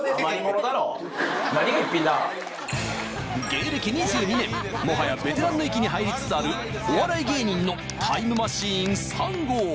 芸歴２２年もはやベテランの域に入りつつあるお笑い芸人のタイムマシーン３号